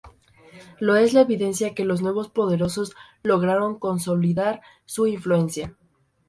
Lo es la evidencia que los nuevos poderosos lograron consolidar su influencia.